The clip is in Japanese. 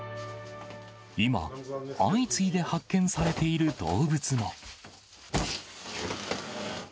今、相次いで発見されている動物も。